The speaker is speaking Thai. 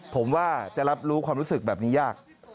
ผมว่าจะรับรู้ความรู้สึกแบบนี้ยาก